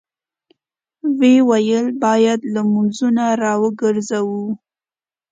ويې ويل: بايد لمونځونه راوګرځوو!